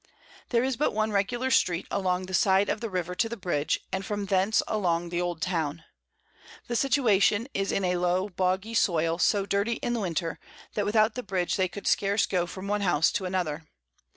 There is but one regular Street along the Side of the River to the Bridge, and from thence along the Old Town. The Situation is in a low boggy Soil, so dirty in Winter, that without the Bridge they could scarce go from one House to another.